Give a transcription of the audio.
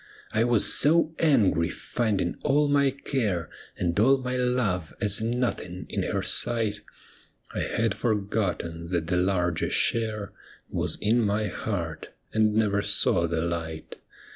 I was so angry, finding all my care And all my love as nothing in her sight, I had forgotten that the larger share Was in my heart, and never saw the light.